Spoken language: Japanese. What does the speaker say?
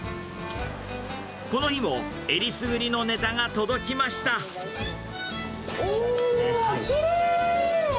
この日も、えりすぐりのネタが届おー、きれい。